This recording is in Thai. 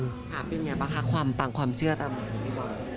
ค่ะเป็นอย่างไรบ้างคะความปังความเชื่อตามบอกคุณพี่บอล